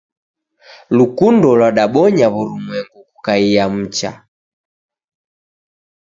Lukundo lwadabonya w'urumwengu kukaiya mcha.